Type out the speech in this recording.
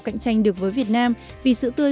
cạnh tranh được với việt nam vì sữa tươi